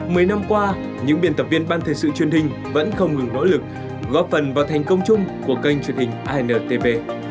mấy năm qua những biên tập viên ban thời sự truyền hình vẫn không ngừng gõ lực góp phần vào thành công chung của kênh truyền hình antv